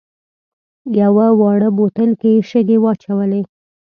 یوه واړه بوتل کې یې شګې واچولې.